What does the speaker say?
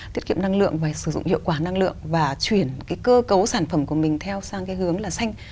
tiết kiệm năng lượng và sử dụng hiệu quả năng lượng và chuyển cái cơ cấu sản phẩm của mình theo sang cái hướng là xanh